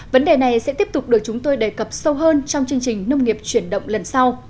vấn đề này sẽ tiếp tục được chúng tôi đề cập sâu hơn trong chương trình nông nghiệp chuyển động lần sau